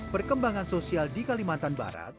perkembangan sosial di kalimantan barat